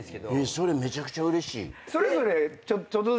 それめちゃくちゃうれしい。